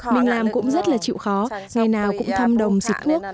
mình làm cũng rất là chịu khó ngày nào cũng thăm đồng sụp cuốc